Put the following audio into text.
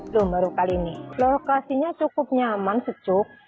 tuh baru kali ini lokasinya cukup nyaman secuk